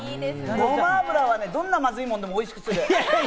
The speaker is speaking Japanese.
ごま油はどんなまずいものでもおいしくする。